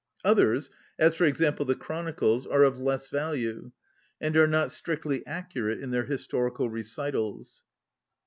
Others, as for example the Chronicles, are of less value, and are not strictly accurate in their his torical recitals.